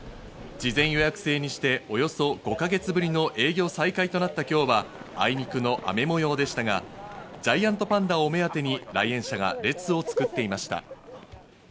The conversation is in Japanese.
事前予約制にして、およそ５か月ぶりの営業再開となった今日は、あいにくの雨模様でしたが、ジャイアントパンダをお目当てに来園者が列を作っていました。